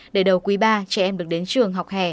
để đầu quý ba trẻ em được đến trường học hè